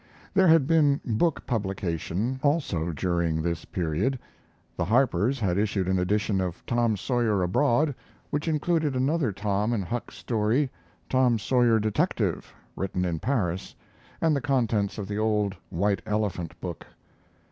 There had been book publication also during this period. The Harpers had issued an edition of 'Tom Sawyer Abroad', which included another Tom and Huck story 'Tom Sawyer, Detective', written in Paris, and the contents of the old White Elephant book.